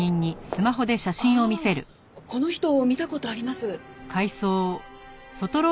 ああこの人見た事あります。